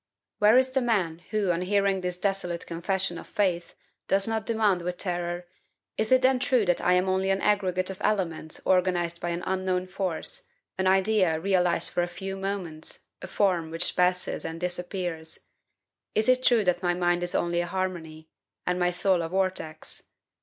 Where is the man who, on hearing this desolate confession of faith, does not demand with terror, "Is it then true that I am only an aggregate of elements organized by an unknown force, an idea realized for a few moments, a form which passes and disappears? Is it true that my mind is only a harmony, and my soul a vortex?